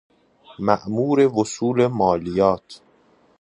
مأمور وصول مالیات